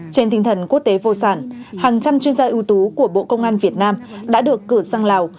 trên tinh thần quốc tế vô sản hàng trăm chuyên gia ưu tú của bộ công an việt nam đã được cử sang lào